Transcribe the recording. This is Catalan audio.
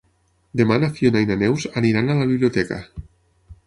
Demà na Fiona i na Neus aniran a la biblioteca.